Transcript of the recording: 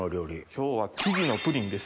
今日はキジのプリンです。